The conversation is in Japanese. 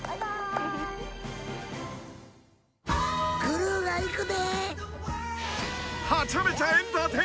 「グルーがいくで」